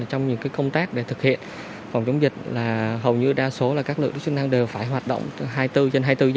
trong những công tác để thực hiện phòng chống dịch là hầu như đa số các lực lượng chức năng đều phải hoạt động hai mươi bốn trên hai mươi bốn giờ